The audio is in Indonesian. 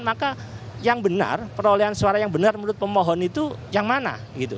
maka yang benar perolehan suara yang benar menurut pemohon itu yang mana